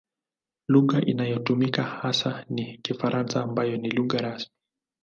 Lugha inayotumika hasa ni Kifaransa ambayo ni lugha rasmi.